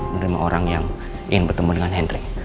menerima orang yang ingin bertemu dengan henry